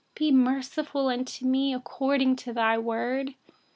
Be merciful to me according to your word.